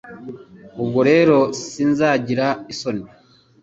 Ubwo rero sinzagira isoni